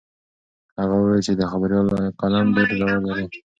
هغه وویل چې د خبریال قلم ډېر زور لري.